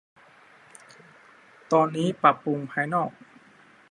ตอนนี้ปรับปรุงภายนอก